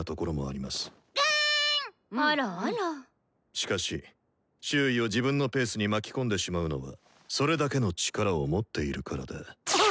しかし周囲を自分のペースに巻き込んでしまうのはそれだけの力を持っているからで。